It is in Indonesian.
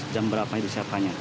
jam berapa disiapkannya